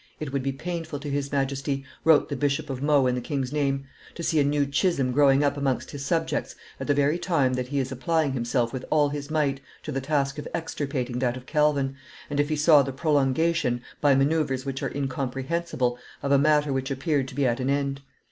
"It would be painful to his Majesty," wrote the Bishop of Meaux in the king's name, "to see a new schism growing up amongst his subjects at the very time that he is applying himself with all his might to the task of extirpating that of Calvin, and if he saw the prolongation, by manoeuvres which are incomprehensible, of a matter which appeared to be at an end.